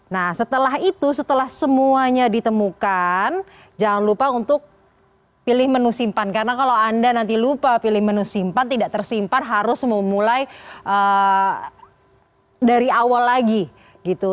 nah setelah itu setelah semuanya ditemukan jangan lupa untuk pilih menu simpan karena kalau anda nanti lupa pilih menu simpan tidak tersimpan harus memulai dari awal lagi gitu